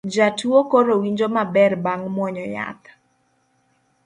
Jatuo koro winjo maber bang' muonyo yath